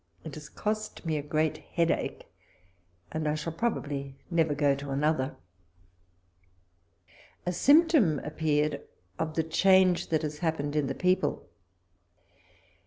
It has cost me a great headache, and I shall probably never go to another. A symptom appeared of the change that has happened in the people.